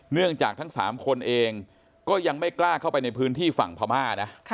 เนื่องจากทั้ง๓คนเองก็ยังไม่กล้าเข้าไปในพื้นที่ฝั่งพม่านะ